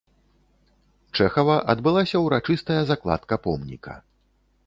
Чэхава адбылася ўрачыстая закладка помніка.